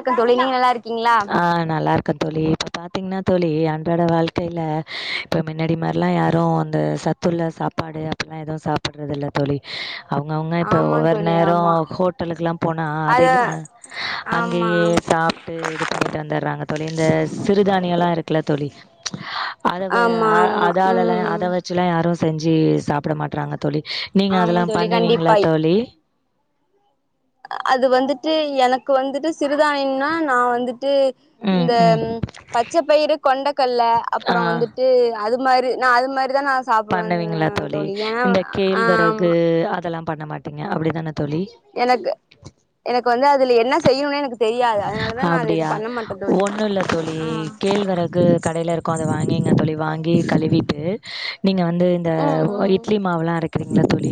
இருக்க தோழி நீங்க நல்லா இருக்கீங்ளா ஆ நல்லா இருக்க தோழி இப்ப பாத்தீங்ன்னா தோழி அன்றாட வாழ்க்கைல இப்ப முன்னாடி மாரிலா யாரு அந்த சத்துள்ள சாப்பாடு அப்டில்லா எதுவு சாப்பிட்றதில்ல தோழி அவங்கவுங்க இப்ப ஆமா ஒவ்வொரு தோழி நேரோ ஆமா ஹோட்டலுக்கு எல்லா போனா அத அதைல ஆமா அங்கயே ஆமா சாப் டு இது பண்ணிட்டு வந்துறாங்க தோழி இந்த சிறுதானியல்லா இருக்குல தோழி அதவ ஆமா ஆமா அதாலல்ல ம் அத வச் ஆக்சுவலா யாரு செஞ்சி சாப்ட மாட்றாங்க தோழி நீங்க ஆமா அதெல்லா தோழி பண்ணுவீங்ளா கண்டிப்பாய் தோழி அது வந்துட்டு எனக்கு வந்துட்டு சிறுதானியம்னா நா வந்துட்டு ம், இந்த ம். பச்ச பயிரு கொண்டக்கல்ல அப்புற ஆ. வந்துட் டு அது மாதிரி நா அது மாதிரிதா நா சாப்பிடுவே பண்ணுவீங்ளா தோழி இந்த கேழ்வரகு ஆமா அதெல்லா பண்ணமாட்டிங்க அப்டிதான தோழி? எனக்கு எனக்கு வந்து அதுல என்ன செய்யுனே எனக்கு தெரியாது அதனாலதா நா அது அப்டியா எது பண்ண மாட்ட தோழி ஒண்ணு இல்ல தோழி ஆ கேழ்வரகு கடையில இருக்கு அத வாங்கிங்க தோழி வாங்கி கழுவிட்டு நீங்க வந்து இந்த ம் உ இட்லி மாவுல்லா அரைக்கிறீங்ள தோழி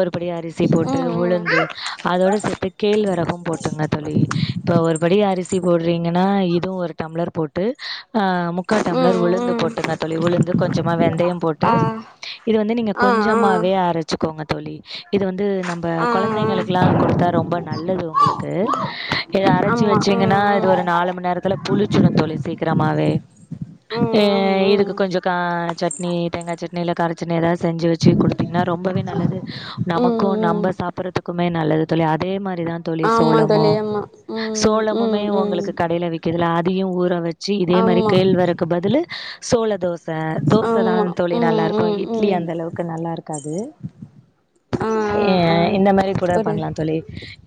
ஒரு படி அரிசி போட்டு ம் ம் ம் உளுந்து அதோட சேத்து கேழ்வரகும் போட்டுங்க தோழி இப்போ ஒரு படி அரிசி போடுறீங்கன்னா இதுவு ஒரு டம்ளர் போட்டு அ முக் முக்கா ம் டம்ளர் உளுந்து ம் போட்டுங்க தோழி உளுந்து கொஞ்சமா வெந்தயம் போட்டு ஆ இது வந்து நீங்க ஆ ஆ கொஞ்சமாவே ஆ அரச்சுக்கோங்க தோழி இது வந்து நம் ப ஆ கொழந்தைங்களுக்லா குடுத்தா ரொம்ப நல்லது உங்களுக்கு சரி அரச்சு ஆமா ம் வச்சீங்கன்னா னா இது ஒரு ம் நாலு மண் நேரத்துல புளிச்சுடு தோழி சீக்கிரமாவே ஏ ம் ம் ம் இதுக்கு கொஞ்சோ கா சட்னி தேங்கா சட்னி இல்ல காரச்சட்னி ஏதாது செஞ்சு வச்சு குடுத்தீங்ன்னா ரொம்பவே நல்லது ம் நமக்கு ம் நம்ம சாப்பிட்றதுக்குமே நல்லது தோழி அதே மா அப்டிதா தோழி ஆமா சோளமோ தோழி ஆமா ம் சோளமுமே ம் ம் உங்களுக்கு கடையில விக்கதுல அதயு ஊற வச்சு இதே மாரி ஆமா கேழ்வரக்கு பதிலு சோள தோச தோச தா ஆமா தோழி நல்லா ம் இருக்கு ம் இட்லி ம் அந்த அளவுக்கு நல்லா இருக்காது ஆ ஏ ஆ ஆ இந்த மாரி கூட ஒரு பண்லா தோழி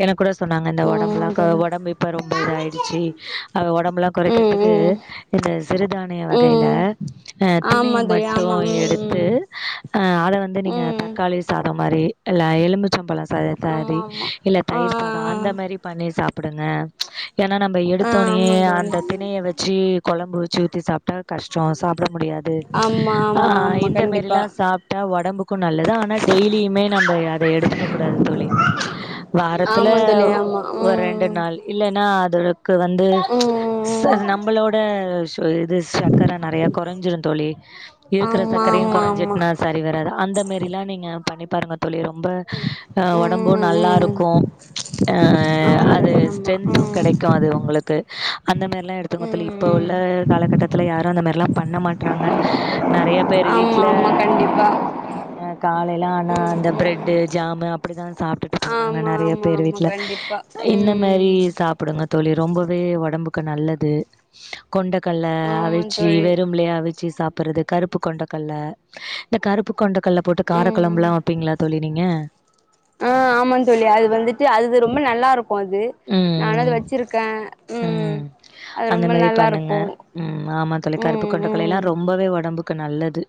எனக் கூட சொன்னாங்க இந்த ஆமா ஒடம்புலா இப்ப தோழி உடம்பு இப்ப ரொம்ப இதா ஆயிடுச்சு அ உடம்புலா ம் கொறைக்கிறதுக்கு ம் இந்த சிறுதானிய வகையில ம் அ திணைய ஆமா தோழி மட்டு ஆமா எடுத்து ம் அ அத வந்து நீங்க ம் ம் தக்காளி சாதோ மாரி இல்ல எலுமிச் மிச்சம்பழோ சா த ஆமா தி ஆமா இல்ல ஆ தயிர் சாதோ அந்த மாரி பண்ணி சாப்டுங்க ஏனா நம் இப்ப ஆ எடுத்தோனேயே ஆமா தோழி அந்த திணைய வச்சு கொழம்பு வச்சு ஊத்தி சாப்ட்டா கஷ்டோ சாப்ட முடியாது ஆமா ஆ ஆமா ஆமா இந்த கண்டிப்பா மேரில்லா சாப் டா உடம்புக்கு நல்லது ஆனா டெய்லியுமே நம்ப அத எடுத்துக்க கூடாது தோழி வாரத்துல ஆமா தோழி ஆமா ஒரு ரெண்டு ம் நாள் இல்லன்னா அது கு வந்து ச ம் நம்மளோட சோ இது சக்கர நெறைய கொறைஞ்சிருந் தோழி இருக்ற ஆமா சக்கரையும் ஆமா ஆமா குறைஞ்சுட்டுனா [unintelligible] அப்டி வராது அந்த மாரில்லா நீங்க பண்ணி பாருங்க தோழி ரொம்ப அ உடம்பு ம் நல்லாருக்கு ம் அ ஆமா அத் து தோழி ஆமா ம் ஸ்ட்ரென்து கிடைக்கு அது உங்களுக்கு அந்த மாரிலா எடுத்துங்கோ தோழி இப்ப ம் உள்ள காலகட்டத் துல யாரு அந்த மார்லா பண்ண மாட்றாங்க நெறைய பேரு ஆமா வீட்ல ஆமா கண்டிப்பா அ காலைல ஆனா ம் அந்த ம் பிரெட்டு் ஜாமு அப்டிதா சாப்ட்டுட்டு போறாங்க ஆமா நெறைய ஆமா பேர் ஆமா வீட்ல கண்டிப்பா இன்ன மேரி ம் சாப் புடுங்க தோழி ரொம்பவே ஒடம்புக்கு நல்லது கொண்டைக்கல்ல ஆமா அவிச்சு தோழி வெறும்லே அவிச் சி சாப்புறது கருப்பு கொண்டைக்கல்ல இந்த கருப்பு கொண்டைக்கல்ல போட்டு ம் காரக்கொழம்புலா வப்பீங்ளா தோழி நீங்க ஆ ஆமா தோழி அது வந்துட்டு அது ரொம்ப நல்லா இருக்கு அது நானு அது ம். வச்சிருக்க ம் அது அந்த ரொம்ப மேரி நல்லா பண்ணுங்க இருக்கு ம் ஆமா தோழி கருப்பு ம் கொண்டைக்கல்ல எல்லா ம் ரொம்பவே உடம்புக்கு நல்லது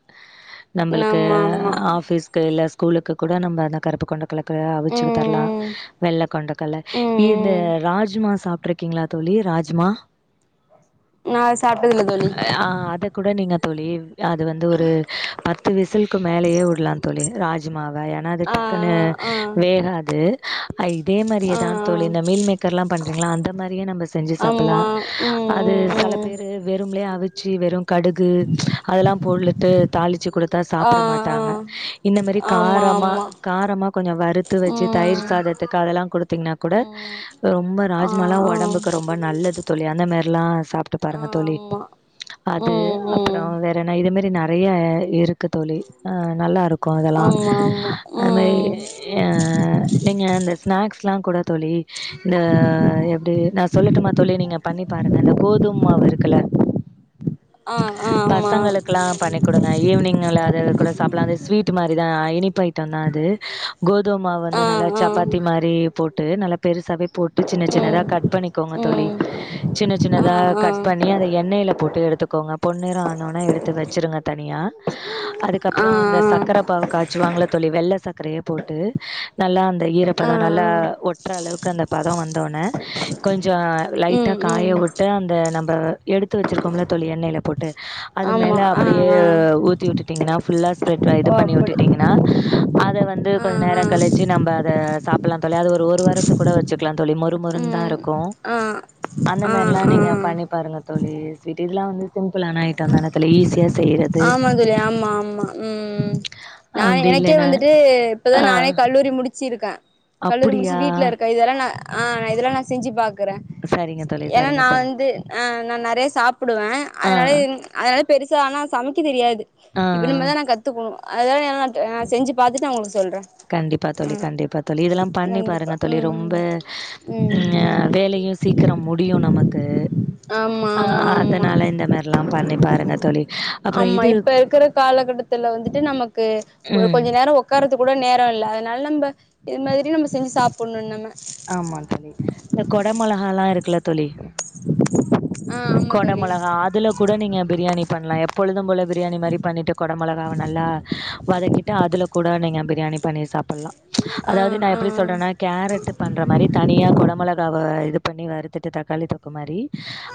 நம்ளுக்கு ஆமா ஆமா ஆஃபிஸ்க்கு இல்ல ஸ்கூலுக்கு கூட நம்ப அந்த கருப்பு கொண்டக்கல்ல க அவிச்சு ம் தர்லா ம் வெள்ள கொண்டக்கல்ல ம் இது ம் ராஜ்மா சாப் சாப் புட்டு இருக்கீங்களா தோழி ராஜ்மா நா சாப்ட்டதில்ல தோழி அத கூட நீங்க தோழி அது வந்து ஒரு பத்து விசுலுக்கு மேலயே உடலாம் தோழி ராஜ்மாவ ஏன்னா அது ஆ டக்குன்னு ஆ வேகாது இதே ஆ ஆ மாரியேதான் தோழி இந்த மீல் மேக்கர்லாம் பண்றீங்களா அந்த மாரியே நம்ம செஞ்சு ஆமா சாப்டலாம் ம் ம் அது செல ம் பேரு வெறும்மலே அவிச்சு வெறும் கடுகு அதெல்லாம் பொடலட்டு தாளிச்சு கொடுத்தா ஆ சாப்ட ஆ மாட்டாங்க இந்த மாதிரி ஆமா காரமா காரமா கொஞ்சோ வறுத்து ஆமா ம் வச்சு தயிர் சாதத்துக்கு அதெல்லாம் குடுத்தீங்கன்னா கூட ம் ரொம்ப ஆ ராஜ்மாலா ஆ ஆ ஆமா உடம்புக்கு ரொம்ப நல்லது தோழி அந்த மாரிலாம் சாப்ட்டு பாருங்க தோழி அது ம் அப்றோ ம் வேறென்ன இது மாரி நெறைய இருக்கு தோழி ஆ நல்லாருக்கும் இதெல்லாம் ஆமா ஆமா அது மாரி நீங்க அந்த ஸ்நாக்ஸ்லாம் கூட தோழி இந்த எப்டி நான் சொல்லட்டுமா தோழி நீங்க பண்ணி பாருங்க இந்த கோதும மாவு இருக்குல பசங்களுக்கெல்லாம் பண்ணி கொடுங்க ஈவினிங்ல அதை கூட சாப்டலாம் ஸ்வீட் மாரிதான் இனிப்பு அயிட்டம் தான் அது கோதும மாவு வந்து நல்லா சப்பாத்தி மாரி போட்டு நல்ல பெருசாவே போட்டு சின்ன சின்னதா கட் பண்ணிக்கோங்க ம் தோழி சின்ன ஆ சின்னதாக ஆ ஆமா கட் பண்ணி அதை எண்ணெய்ல போட்டு எடுத்துக்கோங்க பொண்ணிறம் ஆனோனா எடுத்து வச்சுருங்க தனியா ஆ ஆ அதுக்கப்பறோ இந்த ச ம் க்கரைப்பாவ காய்ச்சு வாங்கல தோழி வெள்ளை சர்க்கரைய போட்டு நல்லா அந்த நல்லா ம் ஆ ஆ ஆ ஆ ஆ ஆ ஈரப்பதம் நல்லா ஒற்ற அளவுக்கு அந்த பதம் வந்தோனே கொஞ்சம் ம் லைட்டாக காய ம் விட்டு அந்த நம்ம எடு த்து வச்சிருக்கோல தோழி எண்ணெயில போட்டு அது ஆமா மேல ஆ அப்டியே ஆ ஊத்தி விட்டுட்டீங்கன்னா ஃபுல்லா ப்ளேட்ல இது ஓ பண்ணி அப்படி விட்டுட்டீங்கன்னா அது வந்து ஆ கொஞ்சோ ஆ நேரம் கழிச்சு நம்ம அதை சாப்டலாம் தோழி அது ஒரு ஒரு வாரத்து கூட வச்சுக்கலாம் தோழி மொருமொருனு தான் ம் இருக்கும் ஆ அந்த ஆ மாரில்லாம் ஆ நீங்க பண்ணி பாருங்க தோழி ஸ்வீட் இதெல்லாம் வந்து சிம்பிளான ஐட்டம் தானே இதுல ஈஸியா செய்ற ஆமா தோழி ஆமா ஆமா ம் ம் நான் அப்டி எனக்கே இல்லன்னா வந்துட்டு ஆ இப்பதான் நானே கல்லூரி முடி சிருக்கேன் கல்லூரி முடிச்சு அப்படியா வீட்ல இருக்கேன் இதெல்லாம் நான் ஆ இதெல்லாம் நான் செஞ்சு பாக்கறேன் செரிங்க ஏன்னா நான் வந்து நான் நெறைய சாப்டுவேன் ஆ அதனால அதனால பெருசா ஆனால் சமை எனக்கே தெரியாது ஆ இப்ப நம தான் கத்துக்கணும் அத நான் செஞ்சு பாத்தட்டு அவங்களுக்கு சொல்றேன் கண்டிப்பா தோழி கண்டிப்பா தோழி இதலா பண்ணி பாருங்க கண்டிப்பா தோழி ம் ரொம்ப ம் வேலையும் சீக்கிரம் முடியும் நமக்கு ஆமா ஆ ஆமா ஆமா அதனால இந்த மாரில்லா பண்ணி பாருங்க தோழி அப்புறோ ஆமா இது இப்ப இருக்கிற காலகட்டத்துல வந்துட்டு நமக்கு ஒரு ம் கொஞ்ச நேரோ உ உக்காரதுக்கு கூட நேரோ இல்ல அதனால நம்ம இது மாரி நம்ம செஞ்ச சாப்ட [unintelligible] ஆமா இந்த கொட மொளகாலாம் இருக்குல்ல தோழி ஆ ஆமா கொட தோழி மொளகா அதுல கூட நீங்க பிரியாணி பண்ணலாம் எப்பொழுதும் போல பிரியாணி மாரி பண்ணிட்டு கொட மொளகாவ நல்லா வதக்கிட்டு அதுல கூட நீங்க பிரியாணி பண்ணி சாப்டலாம் ஆ அதாவது நான் ஆ எப்டி சொல்றேன்னா கேரட் பண்ற மாரி தனியா கொடமொளகாவை இது பண்ணி வறுத்துட்டு தக்காளி தொக் க்கு மாரி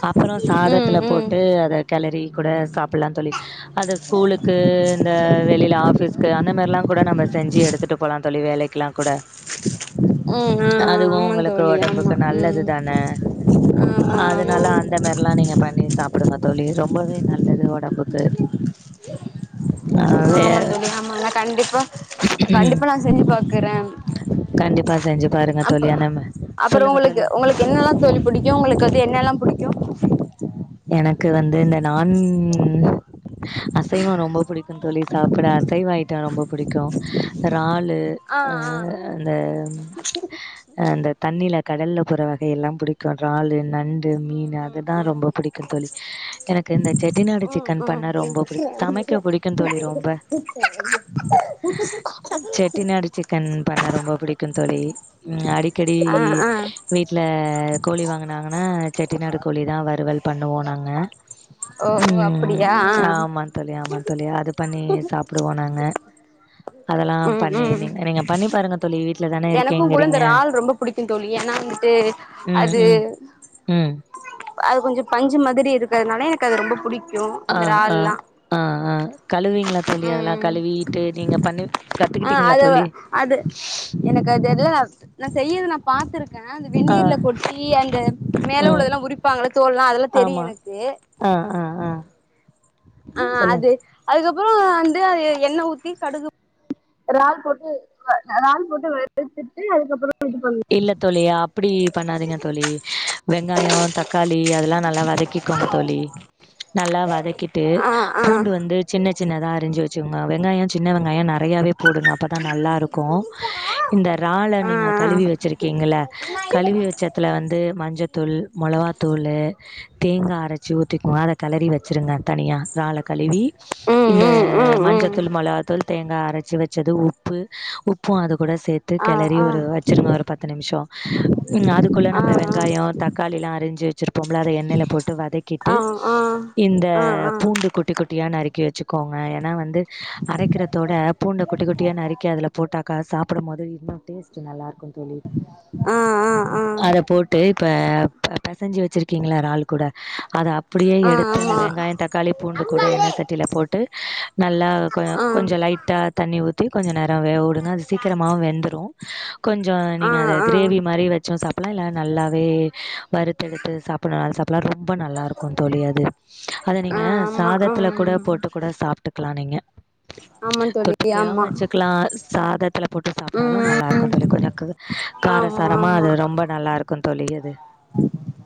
அப்றோ ம் சாதத்துல ம் ம் போட்டு அதை கெலரி கூட சாப்டலாம் தோழி அத ஸ்கூலுக்கு இந்த வெளில ஆஃபிஸ்க்கு அந்த மாரிலாம் கூட நம்ம செஞ்சு எடுத்துட்டு போகலாம் தோழி வேலைக்கு இருக்கலாம் கூட ஆ ஆ அதுவும் ஆமா உங்களுக்கு தோழி ஆமா ஒடம்புக்கு நல்லது ம் தானே ஆமா ஆமா அதனால அந்த மாதிரில்லாம் நீங்க பண்ணி சாப்பிடுங்க தோழி ரொம்பவே நல்லது ஒடம்புக்கு ஆமா தோழி ஆமா நா கண்டிப்பா கண்டிப்பா நா செஞ்சு பாக்குறே கண்டிப்பா செஞ்சு பாருங்க தோழி அப்ப அ நம அப்புறம் சொல்லுங்க உங்களுக்கு தோழி உங்களுக்கு யோ எனக்கு வந்து இந்த நான் அசைவோ ரொம்ப புடிக்கும் தோழி சாப்பிட அசைவ ஐயிட்டோ ரொம்ப புடிக்கு இறாலு ஆ அந்த அ தண்ணியில கடல்லா போற வகையல்லா பிடிக்கு றாலு நண்டு ம் மீன் ம் அதுதா ம் ரொம்ப புடிக்கு தோழி எனக்கு இந்த செட்டிநாடு ம் சிக்கன் பண்ண ரொம்ப பிடிக்கும். சமைக்க பிடிக்கும் தோழி ரொம்ப. செட்டிநாடு [unintelligible] சிக்கன் பண்ண ரொம்ப புடிக்கு தோழி அடிக்கடி ஆ ஆ வீட்டுல கோழி வாங்கினாங்கன்னா செட்டிநாடு கோழி தா வறுவல் பண்ணுவோ நாங்க ஓ ஓ ம் அப்டியா ஆ ஆமா தோழி ஆமா தோழி அது பண்ணி சாப் பிடுவோ நாங்க அதெல்லா ம் பண்ணி ம் நி நீங்க பண்ணி பாருங்க தோழி வீட்டுல தா எனக்கு கூட இந்த இறால் ரொம்ப புடிக்கு தோழி ஏன்னா வந்துட்டு ம் அது ம் ம் அது கொஞ்சு பஞ்சு மாதிரி இருக்கிறதுனால எனக்கு அது ரொம்ப பிடிக்கு ஆ ஆ ஆ ஆ கழுவிங்களா தோழி அதெல்லா ம் கழுவிட்டு நீங்க பண்ணு ஆ அத அது எனக்கு அது எல்ல நா செய்யுறதா நா பாத்திருக்கே ஆ அந்த வெந்நீர்ல கொட்டி அந்த மேல ம் உள்ளதெல்லா உரிப்பாங்கலா தோல்லா அதெல்லா தெரியு ஆமா எனக்கு ஆ ஆ ஆ ஆ சொல்லுங்க அது அதுக்கு அப்பறோ வந்து அது எண்ணெ ஊத்தி கடுகு ரறால் போட்டு ரறால் போட்டு வருத்துட்டு அதுக்கு அப்புறோ இல்ல தோழி அப்படி பண்ணாதிங்க தோழி வெங்காயோ தக்காளி அதெல்லா நல்லா வதக்கி வதக்கிக்கோங்க தோழி நல்லா வதக்கிட்டு ஆ ஆ பூண்டு வந்து சின்ன சின்னதா அறிஞ்சி வச்சிகோங்க வெங்காயோ சின்ன வெங்காயோ நிறையாவவே போடுங்க அப்பதா நல்லா இருக்கு இந்த றால்லா ஆ நீங்க ஆ கழிவி வெ வச்சிருக்கீங்களே கழுவி வச்சத்துல வந்து மஞ்சத்தூள் மொளகாத்தூளு தேங்கா அரைச்சி ஊத்திக்கோ அத கெளறி வச்சிருங்க தனியா இறால கழுவி ம் இந்த ம் ம் ம் மஞ்சத்தூள் மொளகாத்தூள் தேங்கா அரைச்சு வச்சது உப்பு உப்பு அது கூட சேத்து ஆ கிளரி ஆ ஒரு வச்சிருங்க ஒரு பத்து நிமிஷே ம் அதுக்குள்ள ஆ ஆ நம்ம வெங்காயே தக்காளி எல்லா அரிஞ்சு வச்சிருப்போம்ல அத எண்ணெயில போட்டு ஆ வதக்கிட்டு ஆ ஆ இந்த ஆ பூண்ட குட்டி குட்டியா நறிக் கி வச்சிகோங்க ஏன்னா வந்து அரைக்கிறதோட பூண்ட குட்டி குட்டியா நறுக்கி அதுல போட்டாக்கா சாப்புடும்போது இன்னும் டேஸ்ட் நல்லாயிருக்கும் தோழி ஆ ஆ ஆ இதப் போட்டு இப்ப பெசஞ்சி வச்சிருக்கீங்களா இறால் கூட அத அப் அப்பிடியே எடுத்து ஆ அந்த வெங்காயே தக்காளி பூண்டு கூட ஆமா எண்ணச் சட்டியில போட்டு நல்லா கொ கொஞ்சோ லைட்டா தண்ணி ஊத்தி கொஞ்சு நேரோ வேக விடுங்க அது சீக்கிரமா வெந்துரு கொஞ்சோ ஆ ஆ அது ஆ கிரேவி மாரி வச்சு சாப்பிடலா இல்ல நல்லாவே வறுத்துதொடுத்து சாப் எப்புநாலு சாப்பிடலா ரொம்ப நல்லாருக்கு தோழி அது அத ஆ நீங்க ஆமா சாதத்துல ம் கூடப்போட்டு கூட சாப்பிட்டுக்கலா நீங்க ஆமா தோழி தொட்டுக்கியாவும் ஆமா வச்சுக்கலா சாதத்துல போட்டு சாப்பிட்டாலு நல்லா இருக்கு ம் தோழி கொஞ்சோ ஆமா காரசாரமா ஆமா அது ரொம்ப நல்லா இருக்கு தோழி அது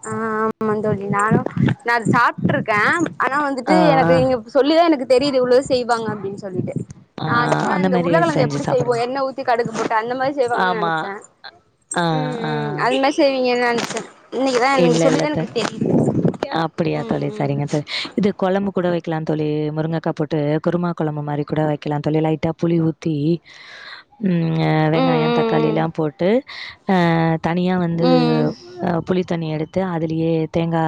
ஆ ஆமாந்தோழி நானு நா அது சாப்பிட்டுருக்கே ஆனா வந்துட்டு ஆ ஆ எனக்கு நீங்க இப்ப சொல்லிதா எனக்கு தெரியுது இவ்வளவு செய்வாங்க அப்படின்னு செல்லிட்டு ஆ நா சும்மா அந்த இந்த மாரி உருளகிழங்கு செஞ்சு எப்படி செய்வோ சாப்டுங்க என்ன ஊத்தி கடுகு போட்டு அந்த மாரி செய்வாகனு ஆமா நெனைச்சேன் ஆ ஆ அது மாரி செரிங்க நன்றி சார் இன்னைக்குதா இன்னைக்கு சொல்லி தா எனக்கு தெரியு அப்பிடியா தோழி சரிங்க தோழி இது கொழம்பு கூட வைக்கலா தோழி முருங்கக்கா போட்டு குருமா கொழம்பு மாரி கூட வைக்கலாம் தோழி லைட்டா புளி ஊத்தி ம் ம் வெங்காயம் ம் தக்காளில்லா போட்டு அ தனியா வந்து ம் ம் அ புளி தண்ணிய எடுத்து அதுலேயே தேங்கா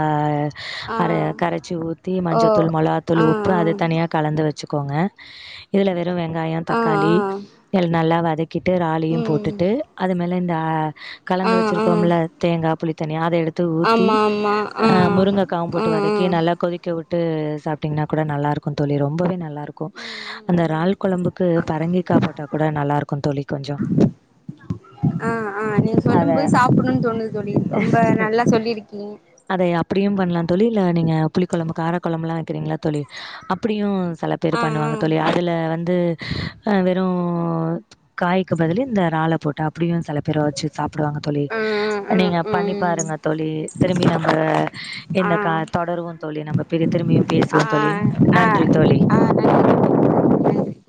ஆ அர கரச்சி ஊத்தி ஓ மஞ்சத்தூள் மொளகாத்தூள் ஆ உப் பு அது தனியா கலந்து வச்சுக்கோங்க இதில வெறும் வெங்காயம் ஆ ஆ தக்காளி ஆ எல் நல்லா வதக்கி ட்டு ராலயு ம் போட்டுட்டு அது மேல இந்த அ ஆ கலந்து ஆ வச்சிருக்கோம்ல தேங்கா புளித் தண்ணி அத எடுத்து ஊத்தி ஆமா ஆமா ஆ முருங்கக்காவும் ஆ போட்டு ஆ வதக்கி நல்லா கொதிக்க விட்டு சாப்ட்டீங்கன்னா கூட நல்லா இருக்கும் தோழி ரொம்பவே நல்லா இருக்கு ம் அந்த ம் ம் றால் கொழம்புக்கு பரங்கிக்கா போட்டா கூட நல்லா இருக்கும் தோழி கொஞ்சொ ஆ ஆ நீங்க அதை சொல்லும் போதே சாப்புட்ணும்னு தோணுது தோழி ரொம்ப நல்லா சொல்லியிருக் கீங்க அதை அப்பிடியும் பண்ணலாம் தோழி இல்ல நீங்க புளிக் கொழம்பு காரக் கொழம்புல்லாம் வக்கிறீங்கல்ல தோழி அப்பிடியும் செல பேரு ஆ பண்ணுவாங்க ஆ தோழி அதுல வந்து வெறும் காய்க்கு பதிலு இந்த இறால போட்டு அப்பிடியும் செல பேரு வச்சு சாப்பிடுவாங்க தோழி ம் ம் ம் நீங்க பண்ணிப் ம் பாருங்க தோழி திரும்பியும் நம் ப ஆ இந்த கா தொடருவோம் தோழி நம்ப பிரி திரும்பியும் ஆ பேசுவோம் தோழி ஆ நன்றி தோழி ஆ நன்றி நன்றி